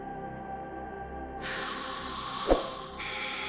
tapi dia masih di sekolah